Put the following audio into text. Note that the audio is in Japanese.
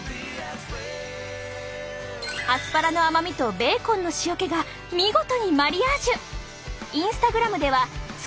アスパラの甘みとベーコンの塩気が見事にマリアージュ。